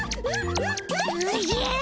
おじゃ。